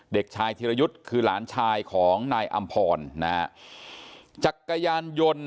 เด็กชายธิรยุทธ์คือหลานชายของนายอำพรนะฮะจักรยานยนต์